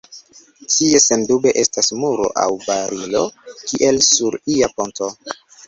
Tie sendube estas muro aŭ barilo, kiel sur ia ponto